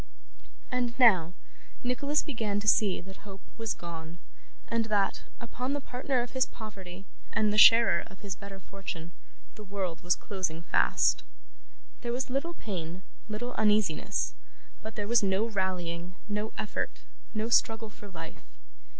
And now, Nicholas began to see that hope was gone, and that, upon the partner of his poverty, and the sharer of his better fortune, the world was closing fast. There was little pain, little uneasiness, but there was no rallying, no effort, no struggle for life.